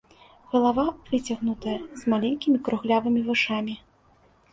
Галава выцягнутая, з маленькімі круглявымі вушамі.